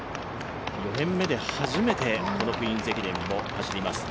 ４年目で初めてこのクイーンズ駅伝を走ります。